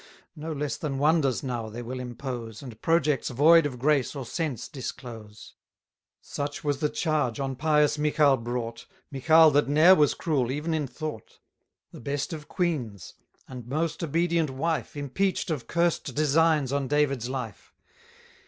No less than wonders now they will impose, And projects void of grace or sense disclose. 50 Such was the charge on pious Michal brought, Michal that ne'er was cruel, even in thought, The best of queens, and most obedient wife, Impeach'd of cursed designs on David's life!